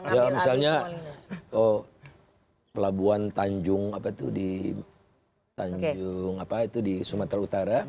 ya misalnya pelabuhan tanjung di tanjung di sumatera utara